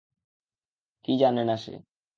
কী জানে না সে?